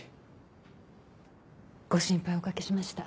ご心配おかけしました。